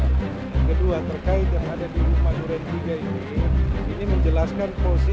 yang kedua terkait dengan rumah di durian tiga ini menjelaskan posisi